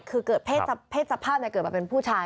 คือเพศสภาพเนี่ยเกิดมาเป็นผู้ชาย